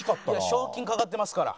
賞金懸かってますから。